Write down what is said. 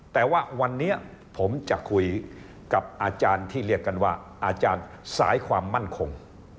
แต่ว่าวันนี้ผมจะคุยกับอาจารย์ที่เรียกกันว่าอาจารย์สายความมั่นคง